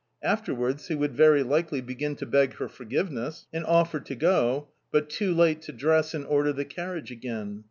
Afterwards he would, very likely, begin to beg her forgiveness, and offer to go, but too late to dress and order the carriage again.